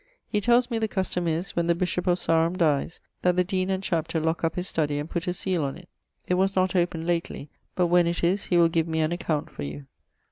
He tells me the custome is, when the bishop of Sarum dies, that 'the deane and chapter lock up his studie and put a seale on it.' It was not opened lately, but when it is he will give me an account for you.